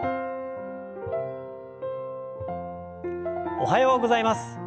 おはようございます。